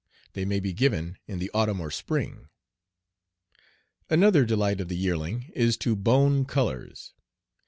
They may be given in the autumn or spring. Another delight of the yearling is to "bone colors."